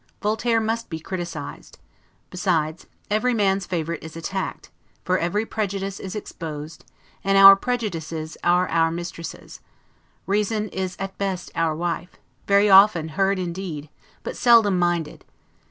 Voltaire must be criticised; besides, every man's favorite is attacked: for every prejudice is exposed, and our prejudices are our mistresses; reason is at best our wife, very often heard indeed, but seldom minded.